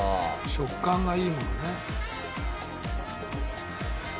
食感がいいものね。